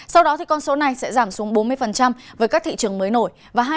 sau đó con số này sẽ giảm xuống bốn mươi với các thị trường mới nổi